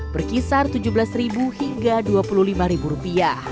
berkisar rp tujuh belas hingga rp dua puluh lima